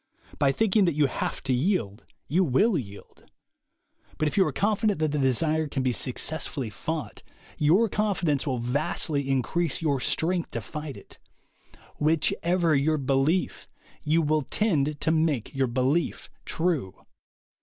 By think ing that you have to yield, you will yield. But if you are confident that the desire can be success fully fought, your confidence will vastly increase your strength to fight it. Whichever your belief, you will tend to make your belief true.